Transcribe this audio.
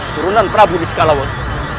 turunan prabu niskalawas